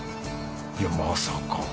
いやまさか。